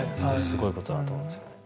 すごいことだと思いますよね。